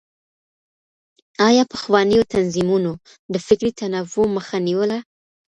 آيا پخوانيو تنظيمونو د فکري تنوع مخه نيوله؟